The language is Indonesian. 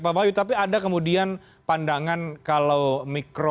pak bayu tapi ada kemudian pandangan kalau mikro